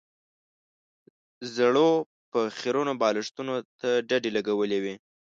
زړو به خيرنو بالښتونو ته ډډې لګولې وې.